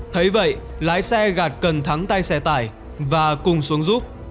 thấy vậy lái xe gạt cần thắng tay xe tải và cùng xuống giúp